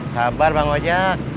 sabar bang ojak